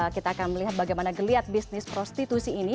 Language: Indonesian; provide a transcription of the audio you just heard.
kita akan melihat bagaimana geliat bisnis prostitusi ini